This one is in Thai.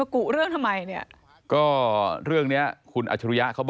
อ่ะก็ขอแก้ข่าวให้คุณรุงเลิศพงศ์ด้วยนะครับ